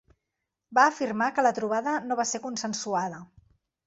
Va afirmar que la trobada no va ser consensuada.